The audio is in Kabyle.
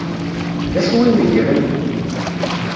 D acu i meggren?